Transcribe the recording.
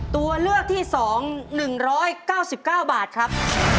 ตัวเลือกที่๒๑๙๙บาทครับ